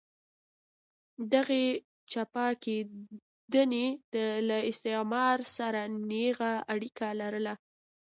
دغې چپه کېدنې له استعمار سره نېغه اړیکه لرله.